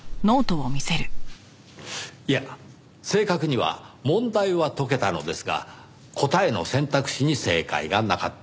いや正確には問題は解けたのですが答えの選択肢に正解がなかった。